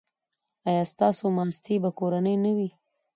ایا ستاسو ماستې به کورنۍ نه وي؟